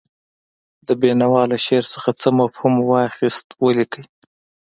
د بېنوا له شعر څخه څه مفهوم واخیست ولیکئ.